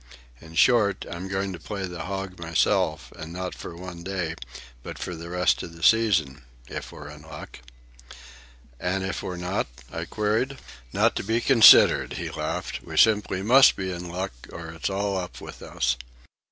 In short, I'm going to play the hog myself, and not for one day, but for the rest of the season,—if we're in luck." "And if we're not?" I queried. "Not to be considered," he laughed. "We simply must be in luck, or it's all up with us."